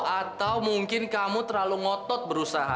atau mungkin kamu terlalu ngotot berusaha